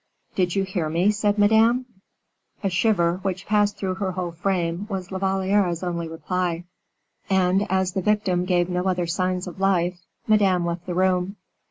"Did you hear me?" said Madame. A shiver, which passed through her whole frame, was La Valliere's only reply. And as the victim gave no other signs of life, Madame left the room.